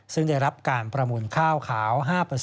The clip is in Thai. ซึ่งได้รับการประมูลข้าวขาว๕